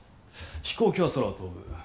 飛行機は空を飛ぶ。